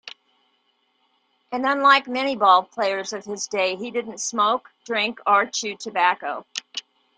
And unlike many ballplayers of his day, he didn't smoke, drink or chew tobacco.